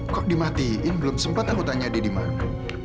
kok dimatiin belum sempat aku tanya dia dimana